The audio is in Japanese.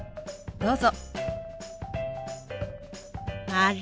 どうぞ。